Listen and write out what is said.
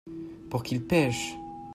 Pour qu’ils pêchent.